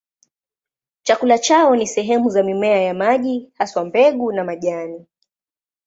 Chakula chao ni sehemu za mimea ya maji, haswa mbegu na majani.